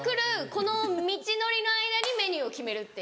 この道のりの間にメニューを決めるっていう。